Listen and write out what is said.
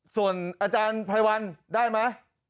ส่วนอาจารย์ไพรวัลได้ไหม